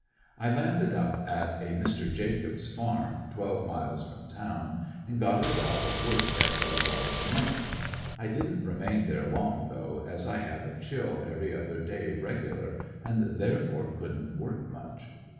I landed up at a Mr. Jacobs' farm twelve miles from town and got a job of work at twelve dollars a month. I didn't remain there long though, as I had a chill every other day regular, and therefore couldn't work much.